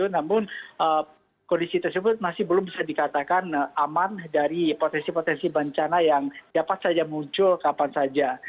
namun kondisi tersebut masih belum bisa dikatakan aman dari potensi potensi bencana yang dapat saja muncul kapan saja